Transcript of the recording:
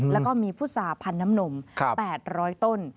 แล้วก็มีพุษาพันธ์น้ำนม๘๐๐ต้น